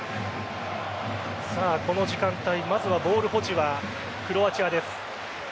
この時間帯、まずはボール保持はクロアチアです。